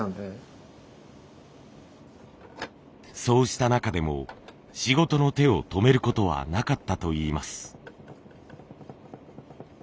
そうした中でも仕事の手を止めることはなかったといいます。